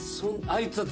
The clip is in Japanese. あいつは。